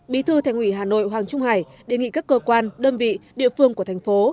bí thư thành ủy hà nội hoàng trung hải đề nghị các cơ quan đơn vị địa phương của thành phố